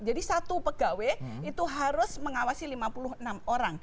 satu pegawai itu harus mengawasi lima puluh enam orang